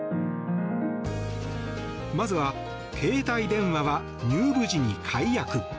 まずは携帯電話は入部時に解約。